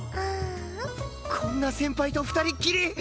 こんな先輩と２人っきり！？